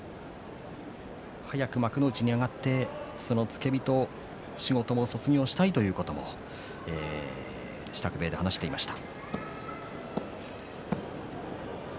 早く幕内に上がってその付け人仕事を卒業したいということを支度部屋で話していました。